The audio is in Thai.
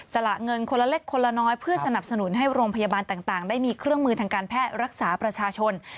ละเงินคนละเล็กคนละน้อยเพื่อสนับสนุนให้โรงพยาบาลต่างได้มีเครื่องมือทางการแพทย์รักษาประชาชน